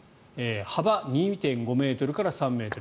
幅２．５ｍから３ｍ。